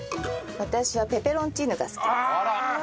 私はペペロンチーノが好きです。